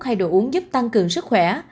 hay đồ uống giúp tăng cường sức khỏe